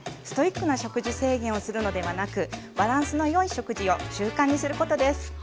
ストイックな食事制限をするのではなくバランスのよい食事を習慣にすることです。